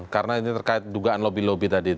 karena ini terkait dugaan lobby lobby tadi